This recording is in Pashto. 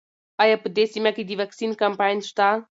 ایا په دې سیمه کې د واکسین کمپاین شته؟